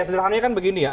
sejujurnya kan begini ya